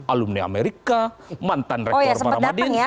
alumni amerika mantan rektor para madin